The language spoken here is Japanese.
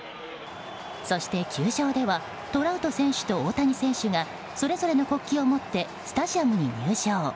そして、球場ではトラウト選手と大谷選手がそれぞれの国旗を持ってスタジアムに入場。